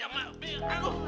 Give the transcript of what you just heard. ya mah lebih